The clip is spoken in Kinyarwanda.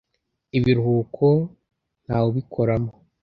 Ibiruhuko ntawubikoramo.